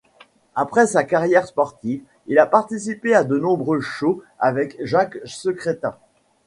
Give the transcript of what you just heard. Après sa carrière sportive il a participé à de nombreux show avec Jacques Secrétin.